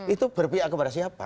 itu berpia kepada siapa